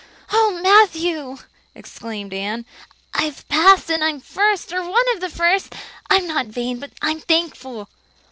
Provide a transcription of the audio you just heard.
"Oh, Matthew," exclaimed Anne, "I've passed and I'm first or one of the first! I'm not vain, but I'm thankful."